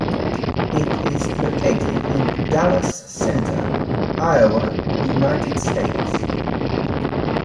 It is located in Dallas Center, Iowa, United States.